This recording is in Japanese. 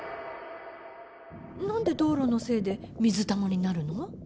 何で道路のせいで水玉になるの？